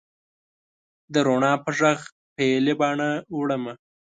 د رڼا په ږغ پیلې باڼه وړمه